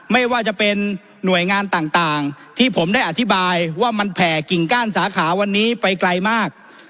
ไม่ว่าจะเป็นหน่วยงานต่างที่ผมได้อธิบายว่ามันแผ่กิ่งก้านสาขาวันนี้ไปไกลมาก